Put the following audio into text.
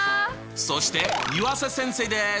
そして湯浅先生です！